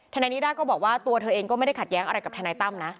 นายนิด้าก็บอกว่าตัวเธอเองก็ไม่ได้ขัดแย้งอะไรกับทนายตั้มนะ